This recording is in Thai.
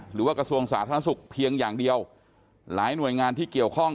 กระทรวงสาธารณสุขเพียงอย่างเดียวหลายหน่วยงานที่เกี่ยวข้อง